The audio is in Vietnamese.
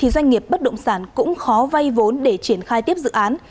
doanh nghiệp bất động sản cũng khó vay vốn để triển khai tiếp dự án